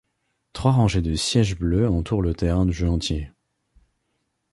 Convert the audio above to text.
Trois rangées de sièges bleus entoure le terrain de jeu entier.